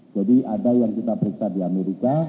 jadi ada yang kita periksa di amerika